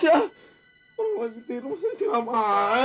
aduh manik banget ya